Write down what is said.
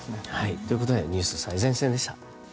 ということでニュース最前線でした。